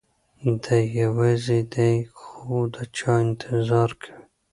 دی یوازې دی خو د چا انتظار کوي.